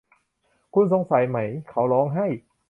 คุณสงสัยไหม ? เขาร้องไห้